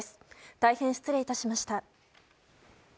大変失礼致しました。